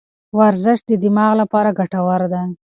ورزش د دماغ لپاره ګټور دی.